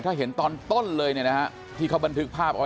ถ้าเห็นตอนต้นเลยเนี่ยนะฮะที่เขาบันทึกภาพเอาไว้